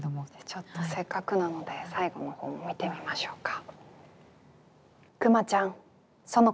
ちょっとせっかくなので最後の方も見てみましょうか。